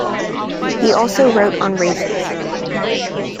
He also wrote on races.